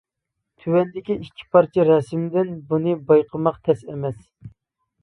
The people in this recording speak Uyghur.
تۆۋەندىكى ئىككى پارچە رەسىمدىن بۇنى بايقىماق تەس ئەمەس.